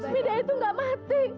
mida itu nggak mati